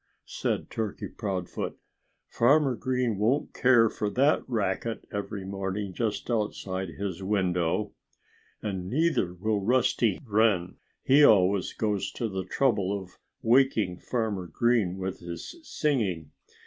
said Turkey Proudfoot. "Farmer Green won't care for that racket every morning just outside his window. And neither will Rusty Wren. He always goes to the trouble of waking Farmer Green with his singing.